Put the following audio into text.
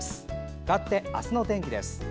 かわって、明日の天気です。